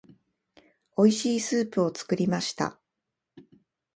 美味しいスープを作りました。